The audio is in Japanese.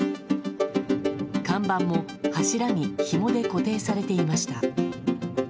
看板も柱にひもで固定されていました。